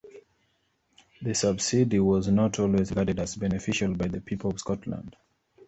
The subsidy was not always regarded as beneficial by the people of Scotland.